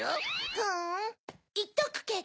ふんいっとくけど。